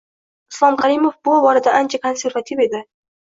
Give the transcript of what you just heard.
Islom Karimov bu borada ancha konservativ edi